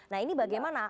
nah ini bagaimana